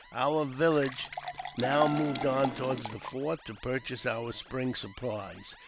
Our village now moved on toward the fort to purchase our spring supplies.